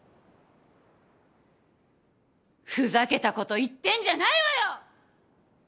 ふざけたこと言ってんじゃないわよ！